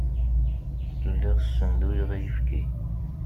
Lliɣ ssenduyeɣ ayefki.